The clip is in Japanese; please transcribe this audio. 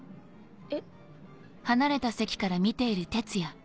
えっ？